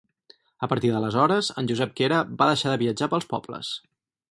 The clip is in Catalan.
A partir d’aleshores en Josep Quera va deixar de viatjar pels pobles.